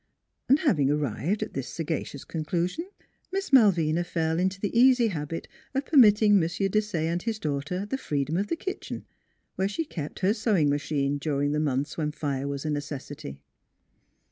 Having arrived at this sagacious conclusion, Miss Malvina fell into the easy habit of permit ting M. Desaye and his daughter the freedom of the kitchen, where she kept her sewing machine during the months when fire was a necessity.